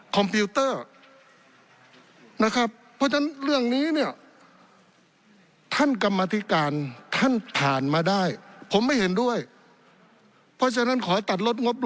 คอมพิวเตอร์นะครับ